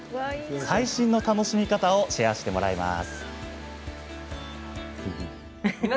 最新の楽しみ方をシェアしてもらいます。